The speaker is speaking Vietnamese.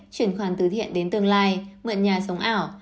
chuyển khoản từ thiện đến tương lai mượn nhà sống ảo